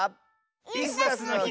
「イスダスのひ」